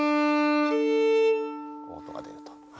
音が出ると。